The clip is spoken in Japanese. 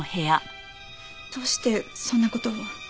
どうしてそんな事を？